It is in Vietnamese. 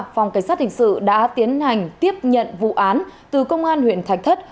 phòng cảnh sát hình sự đã tiến hành tiếp nhận vụ án từ công an huyện thạch thất